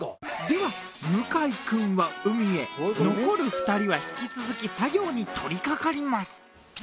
では向井君は海へ残る２人は引き続き作業に取りかかります。